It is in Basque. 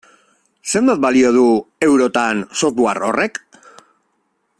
Zenbat balio du, eurotan, software horrek?